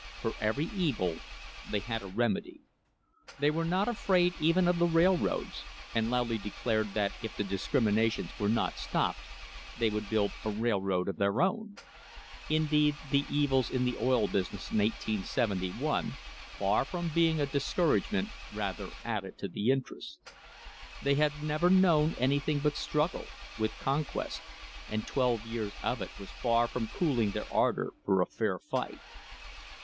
For every evil they had a remedy. They were not afraid even of the railroads, and loudly declared that if the discriminations were not stopped they would build a railroad of their own. Indeed, the evils in the oil business in 1871, far from being a discouragement, rather added to the interest. They had never known anything but struggle — with conquest — and twelve years of it was far from cooling their ardour for a fair fight.